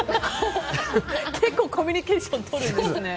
結構コミュニケーションとるんですね。